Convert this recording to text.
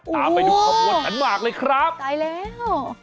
ตามไปดูข้อมูลสันหมากเลยครับโอ้โฮได้แล้ว